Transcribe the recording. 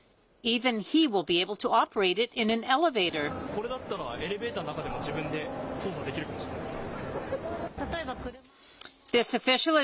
これだったら、エレベーターの中でも自分で操作できるかもしれないです。